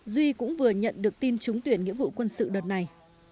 duy cũng vừa nhận được tin trúng tuyển nghĩa vụ quân sự đợt này